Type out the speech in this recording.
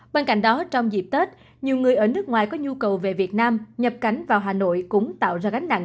bên cạnh đó trong dịp tết nhiều người ở nước ngoài có nhu cầu về việt nam nhập cảnh vào hà nội cũng tạo ra gánh nặng